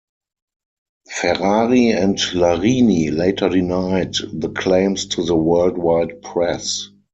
Ferrari and Larini later denied the claims to the worldwide press.